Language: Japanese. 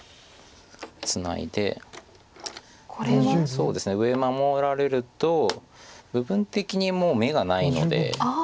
そうですね上守られると部分的にもう眼がないので。